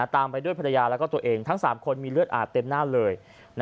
ตามไปด้วยภรรยาแล้วก็ตัวเองทั้ง๓คนมีเลือดอาบเต็มหน้าเลย